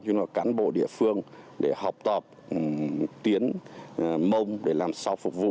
cho nên là cán bộ địa phương để học tập tuyến mông để làm sao phục vụ